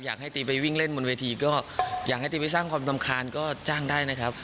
ตีไปวิ่งเล่นบนเวทีก็อยากให้ตีไปสร้างความรำคาญก็จ้างได้นะครับ